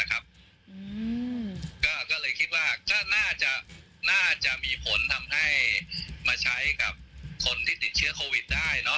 ก็เลยคิดว่าก็น่าจะมีผลทำให้มาใช้กับคนที่ติดเชื้อโควิดได้